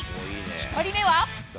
１人目は。